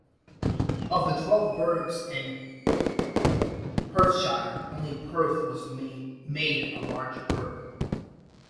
Of the twelve burghs in Perthshire, only Perth was made a large burgh.